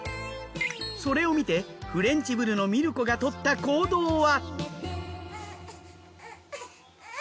それを見てフレンチ・ブルのミルコがとった行動は。